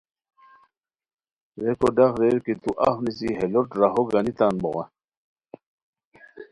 ریکو ڈاق ریر کی تو اف نیسی ہے لوٹ راہو گانی تان بوغے